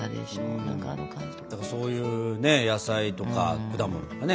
そういう野菜とか果物とかね